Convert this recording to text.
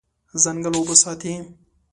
ځنګل اوبه ساتي.